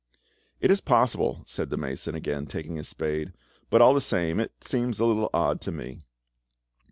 "It is possible," said the mason, again taking his spade, "but all the same it seems a little odd to me."